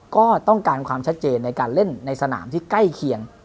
ก็ต้องการความชัดเจนในการเล่นในสนามที่ใกล้เคียง